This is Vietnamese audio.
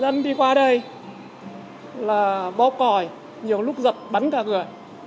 dân đi qua đây là bóp còi nhiều lúc dập bắn cả người